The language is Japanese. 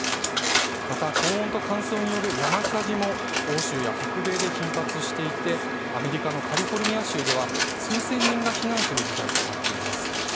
また高温と乾燥による山火事も欧州や北米で頻発していてアメリカのカリフォルニア州では数千人が避難する事態となっています。